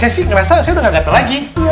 saya sih ngerasa saya udah gak gatal lagi